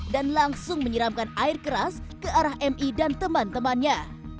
dan langsung menyiramkan air keras ke arah mi dan teman temannya